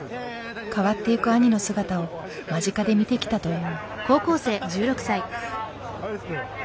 変わっていく兄の姿を間近で見てきたという。